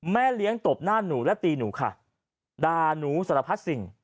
แม่เลี้ยงตบหน้าหนูและตีหนูค่ะด่าหนูสารพัดสิ่ง